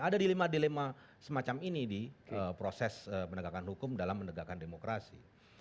ada dilema dilema semacam ini di proses penegakan hukum dalam menegakkan demokrasi